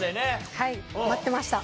はい待ってました。